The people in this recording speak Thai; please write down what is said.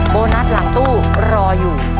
โบนัสหลังตู้รออยู่